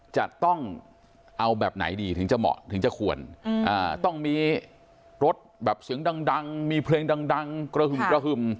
จะต้องเอาแบบไหนดีถึงจะเหมาะถึงจะควรต้องมีรถแบบเสียงดังมีเพลงดังกระหึ่มกระหึ่ม